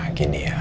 ya mungkin memang